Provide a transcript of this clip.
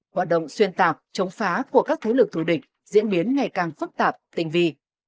hoạt động xuyên tạc chống phá của các thế lực thù địch diễn biến ngày càng phức tạp tình vi